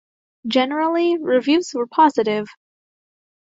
Generally, reviews were positive.